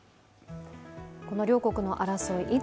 この両国の争い